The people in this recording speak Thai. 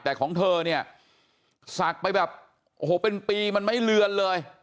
แต่ของเธอเนี่ยศักดิ์ไปแบบโอ้โหเป็นปีมันไม่เลือนเลย